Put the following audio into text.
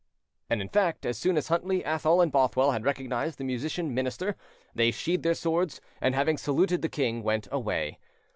And in fact, as soon as Huntly, Athol, and Bothwell had recognised the musician minister, they sheathed their swords, and, having saluted the king, went away.